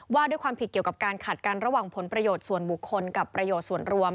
ว่าด้วยความผิดเกี่ยวกับการขัดกันระหว่างผลประโยชน์ส่วนบุคคลกับประโยชน์ส่วนรวม